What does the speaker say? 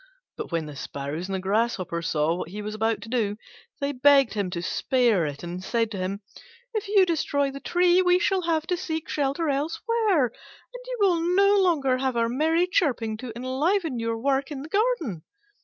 But when the sparrows and the grasshoppers saw what he was about to do, they begged him to spare it, and said to him, "If you destroy the tree we shall have to seek shelter elsewhere, and you will no longer have our merry chirping to enliven your work in the garden."